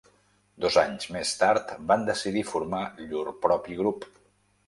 Dos anys més tard van decidir formar llur propi grup.